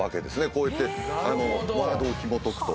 こうやってワードをひもとくと。